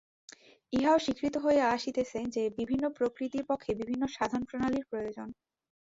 ইহাও স্বীকৃত হইয়া আসিতেছে যে, বিভিন্ন প্রকৃতির পক্ষে বিভিন্ন সাধনপ্রণালীর প্রয়োজন।